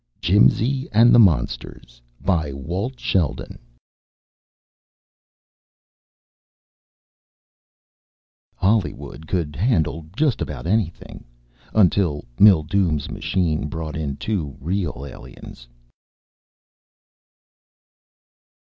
jimsy and the monsters by ... Walt Sheldon Hollywood could handle just about anything until Mildume's machine brought in two real aliens.